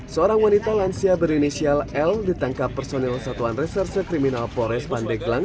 seorang wanita lansia berinisial l ditangkap personil satuan reserse kriminal pores pandeglang